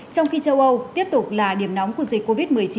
trong khi châu âu tiếp tục là điểm nóng của dịch covid một mươi chín